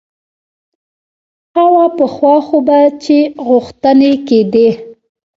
ښه وه پخوا خو به چې غوښتنې کېدې.